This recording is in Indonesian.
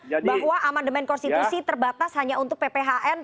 bahwa amandemen konstitusi terbatas hanya untuk pphn